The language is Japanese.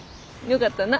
よかったな。